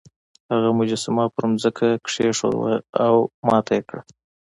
هغه مجسمه په ځمکه کیښوده او ماته یې کړه.